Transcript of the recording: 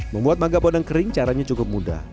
membuat mangga bodang kering caranya cukup mudah